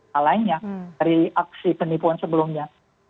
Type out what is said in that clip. hal lainnya dari aksi penipuan sebelumnya